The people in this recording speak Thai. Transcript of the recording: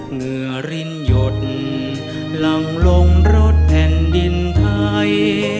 เหงื่อริ้นหยดหลังลงรถแผ่นดินไทย